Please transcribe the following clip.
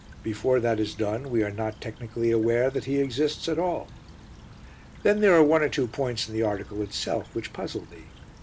Before that is done we are not technically aware that he exists at all. Then there are one or two points in the article itself which puzzle me.